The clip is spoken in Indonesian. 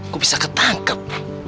gua bisa ketangkep